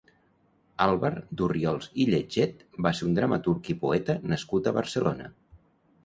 Àlvar d'Orriols i Lletget va ser un dramaturg i poeta nascut a Barcelona.